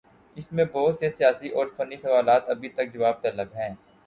اس میں بہت سے سیاسی اور فنی سوالات ابھی تک جواب طلب ہیں۔